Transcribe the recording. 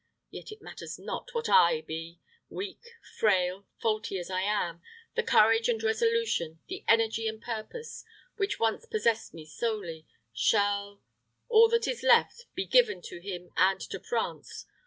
Yet it matters not what I be Weak, frail, faulty as I am the courage and resolution, the energy and purpose, which once possessed me solely, shall, all that is left, be given to him and to France.